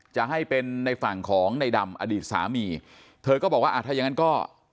จะให้เป็นในฝั่งของในดำอดีตสามีเธอก็บอกว่าอ่าถ้ายังงั้นก็